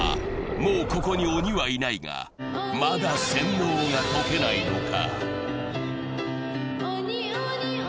もうここに鬼はいないがまだ洗脳が解けないのか。